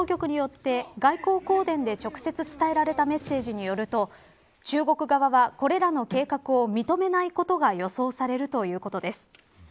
情報当局によって外交公電で直接伝えられたメッセージによると中国側は、これらの計画を認めないことが予想されるということです。